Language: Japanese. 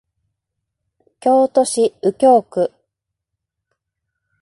京都市上京区